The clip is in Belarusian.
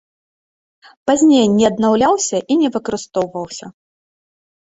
Пазней не аднаўляўся і не выкарыстоўваўся.